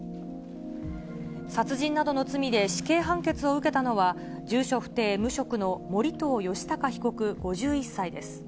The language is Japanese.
殺人などの罪で死刑判決を受けたのは、住所不定、無職の盛藤吉高被告５１歳です。